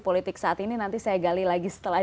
politik saat ini nanti saya gali lagi setelah